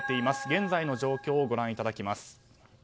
現在の状況をご覧いただきます。